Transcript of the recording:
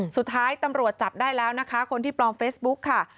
สุดท้ายตำรวจจับได้แล้วนะคะคนที่ปลอมเฟซบุ๊กค่ะ